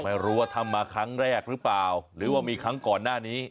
ไม่รู้ว่าทำมาครั้งแรกหรือเปล่าหรือว่ามีครั้งก่อนหน้านี้